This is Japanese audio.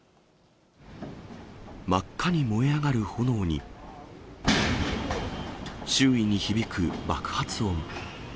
真っ赤に燃え上がる炎に、周囲に響く爆発音。